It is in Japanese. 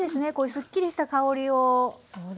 すっきりした香りを。